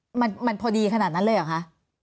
มันมันพอดีขนาดนั้นเลยเหรอคะ